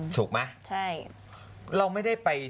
ถูกมั้ยใช่